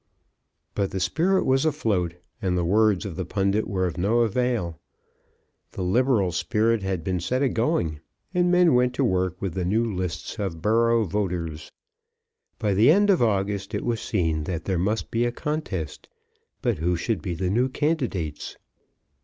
But the spirit was afloat, and the words of the pundit were of no avail. The liberal spirit had been set a going, and men went to work with the new lists of borough voters. By the end of August it was seen that there must be a contest. But who should be the new candidates?